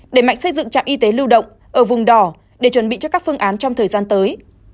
để mạnh xây dựng trạm y tế lưu động ở vùng đỏ để chuẩn bị cho các phương án trong thời gian tới